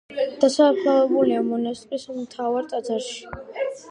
დასაფლავებულია მონასტრის მთავარ ტაძარში.